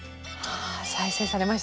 あ再生されました。